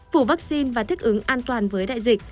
phủ vaccine và thích ứng an toàn với đại dịch